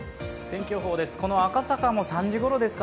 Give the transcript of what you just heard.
天気予報です。